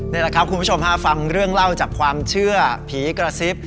นี่แหละครับคุณผู้ชมฮะฟังเรื่องเล่าจากความเชื่อผีกระซิบ